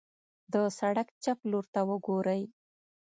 د سړک چپ لورته وګورئ.